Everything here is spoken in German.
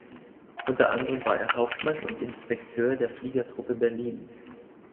Unter anderem war er Hauptmann und Inspekteur der Fliegertruppe Berlin.